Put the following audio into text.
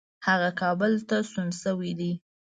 هغه کابل ته ستون شوی دی.